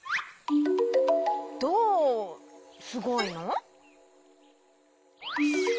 どうすごいの？